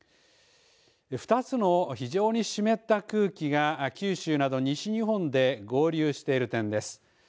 ２つの非常に湿った空気が九州など西日本で合流しているためです。